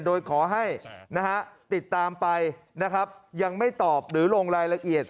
โดยขอให้ติดตามไปนะครับยังไม่ตอบหรือลงรายละเอียด